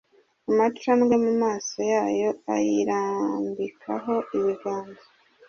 amacandwe mu maso yayo ayirambikaho ibiganza